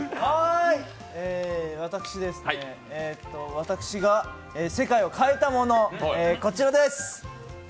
私が世界を変えたものこちらです。